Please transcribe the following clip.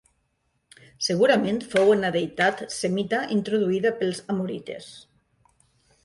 Segurament fou una deïtat semita introduïda pels amorites.